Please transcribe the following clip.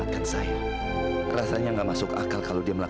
anda bisa melukai saya tidak